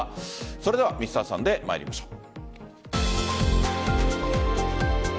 それでは「Ｍｒ．サンデー」参りましょう。